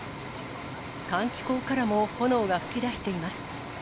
換気口からも炎が噴き出しています。